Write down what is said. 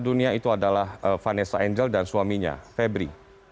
dunia itu adalah vanessa angel dan suaminya febri